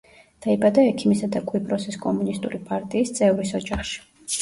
დაიბადა ექიმისა და კვიპროსის კომუნისტური პარტიის წევრის ოჯახში.